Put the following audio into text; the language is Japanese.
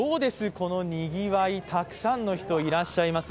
このにぎわい、たくさんの人いらっしゃいます。